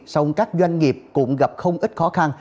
song các doanh nghiệp cũng gặp không ít khó khăn